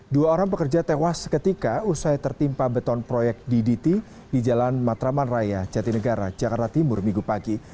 dua orang pekerja tewas seketika usai tertimpa beton proyek ddt di jalan matraman raya jatinegara jakarta timur minggu pagi